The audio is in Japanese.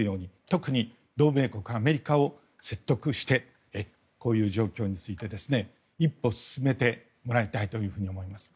特に同盟国のアメリカを説得してこういう状況について一歩進めてもらいたいと思います。